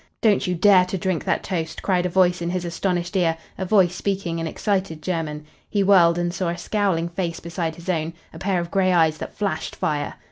"Don't you dare to drink that toast!" cried a voice in his astonished ear, a voice speaking in excited German. He whirled and saw a scowling face beside his own, a pair of gray eyes that flashed fire.